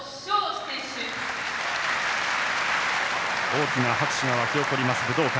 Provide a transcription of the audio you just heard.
大きな拍手が沸き起こります